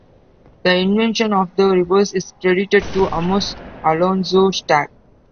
The invention of the reverse is credited to Amos Alonzo Stagg.